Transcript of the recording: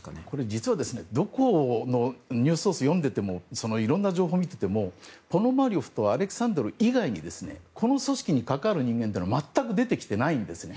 実は、どこのニュースソースを読んでいてもいろんな情報を見ていてもポノマリョフとアレクサンドル以外にこの組織に関わる人間は全く出てきていないんですね。